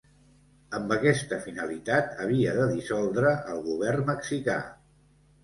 Amb aquesta finalitat, havia de dissoldre el Govern mexicà.